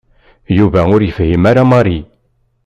Yuba ur yefhim ara Mary.